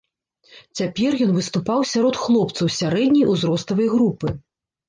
Цяпер ён выступаў сярод хлопцаў сярэдняй узроставай групы.